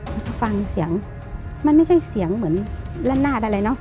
ฟังเสียงมันไม่ใช่เสียงเหมือนละนาดอะไรเนาะ